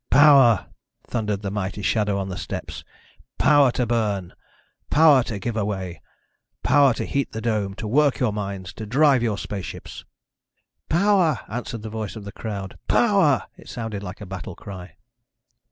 "Power!" thundered the mighty shadow on the steps. "Power to burn! Power to give away. Power to heat the dome, to work your mines, to drive your spaceships!" "Power!" answered the voice of the crowd. "Power!" It sounded like a battle cry.